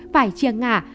phải chia ngả